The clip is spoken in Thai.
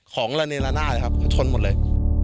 ของระเนละนาดเลยครับมันชนหมดเลย